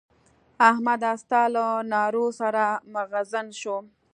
احمده! ستا له نارو سر مغزن شوم.